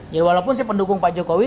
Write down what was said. ya walaupun si pendukung pak jokowi